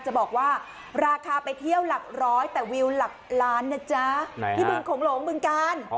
จะบอกว่าราคาไปเที่ยวหลักร้อยแต่วิวหลักล้านนะจ๊ะไหนที่บึงโขงหลงบึงกาล